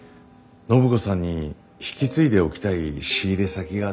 暢子さんに引き継いでおきたい仕入れ先があって。